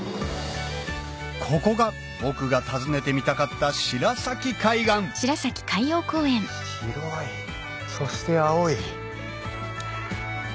ここが僕が訪ねてみたかった白崎海岸白いそして青い。